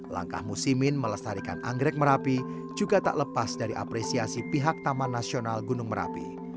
langkah musimin melestarikan anggrek merapi juga tak lepas dari apresiasi pihak taman nasional gunung merapi